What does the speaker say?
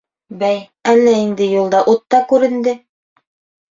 Бәй, әллә инде юлда ут та күренде?